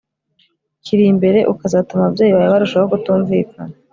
kiri imbere ukazatuma ababyeyi bawe barushaho kutumvikana